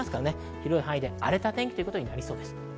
広い範囲で荒れた天気になりそうです。